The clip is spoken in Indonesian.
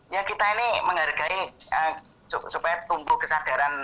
ya kita ini menghargai supaya tumbuh kesadaran